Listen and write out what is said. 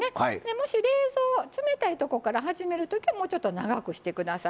もし冷蔵冷たいとこから始める時はもうちょっと長くして下さい。